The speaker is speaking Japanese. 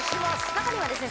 中にはですね